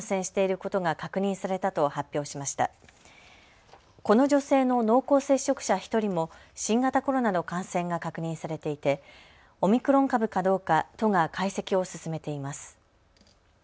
この女性の濃厚接触者１人も新型コロナの感染が確認されていてオミクロン株かどうか都が解析を進めています。